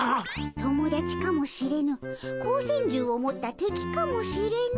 友だちかもしれぬ光線銃を持った敵かもしれぬ。